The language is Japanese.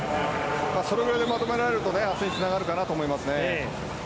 それぐらいでまとめられると明日につながるかなと思います。